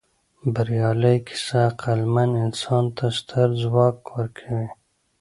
بریالۍ کیسه عقلمن انسان ته ستر ځواک ورکوي.